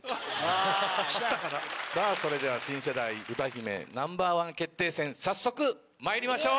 それでは新世代歌姫Ｎｏ．１決定戦早速まいりましょう！